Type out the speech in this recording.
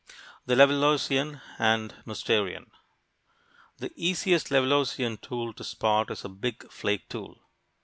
THE LEVALLOISIAN AND MOUSTERIAN The easiest Levalloisian tool to spot is a big flake tool.